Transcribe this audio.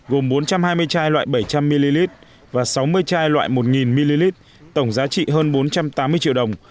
gồm bốn trăm hai mươi chai loại bảy trăm linh ml và sáu mươi chai loại một ml tổng giá trị hơn bốn trăm tám mươi triệu đồng